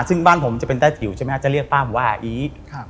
ซึ่งบ้านผมจะเป็นใต้จิ๋วใช่ไหมครับจะเรียกป้าผมว่าอีครับ